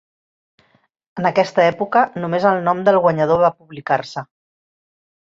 En aquesta època només el nom del guanyador va publicar-se.